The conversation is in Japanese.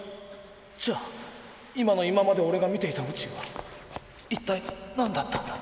じゃあ今の今までオレが見ていた宇宙はいったいなんだったんだ？